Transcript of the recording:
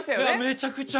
めちゃくちゃ。